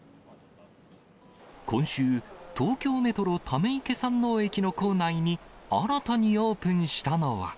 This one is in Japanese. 今週、東京メトロ溜池山王駅の構内に、新たにオープンしたのは。